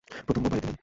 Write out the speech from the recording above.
প্রথম বউ বাড়িতে নেই।